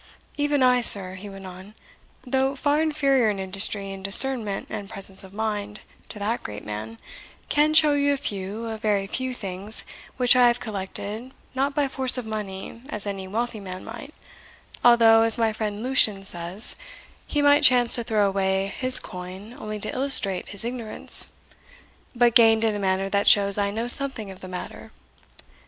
"Even I, sir," he went on, "though far inferior in industry and discernment and presence of mind, to that great man, can show you a few a very few things, which I have collected, not by force of money, as any wealthy man might, although, as my friend Lucian says, he might chance to throw away his coin only to illustrate his ignorance, but gained in a manner that shows I know something of the matter.